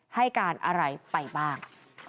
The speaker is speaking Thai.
ให้การอะไรไปบ้าง